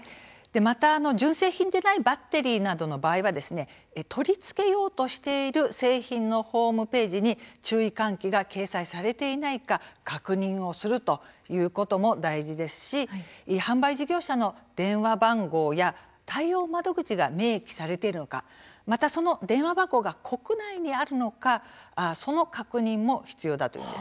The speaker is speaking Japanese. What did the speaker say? また、純正品でないバッテリーなどの場合は取り付けようとしている製品のホームページに注意喚起が掲載されていないか確認をするということも大事ですし、販売事業者の電話番号や対応窓口が明記されているのかまたその電話番号が国内にあるのか、その確認も必要だというんですね。